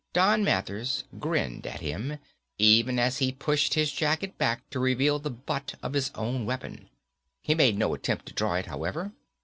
Don Mathers grinned at him, even as he pushed his jacket back to reveal the butt of his own weapon. He made no attempt to draw it, however.